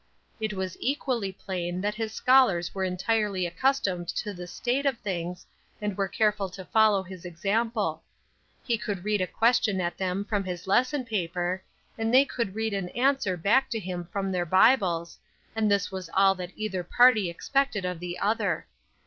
It was equally plain that his scholars were entirely accustomed to this state of things, and were careful to follow his example. He could read a question at them from his lesson paper, and they could read an answer back to him from their Bibles, and this was all that either party expected of the other.